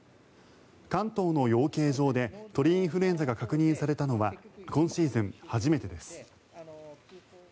関東の養鶏場で鳥インフルエンザが確認されたのは今シーズン初めてです。